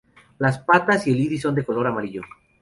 Las patas y el iris son de color amarillo.